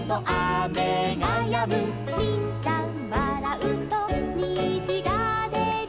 「りんちゃんわらうとにじがでる」